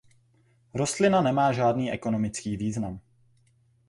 Rostlina nemá žádný ekonomický význam.